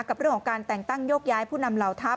กับเรื่องของการแต่งตั้งโยกย้ายผู้นำเหล่าทัพ